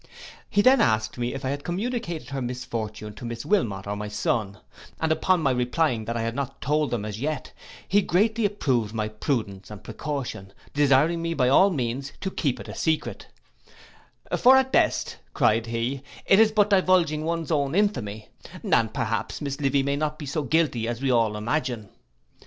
He then asked if I had communicated her misfortune to Miss Wilmot, or my son; and upon my replying that I had not told them as yet, he greatly approved my prudence and precaution, desiring me by all means to keep it a secret: 'For at best,' cried he, 'it is but divulging one's own infamy; and perhaps Miss Livy may not be so guilty as we all imagine.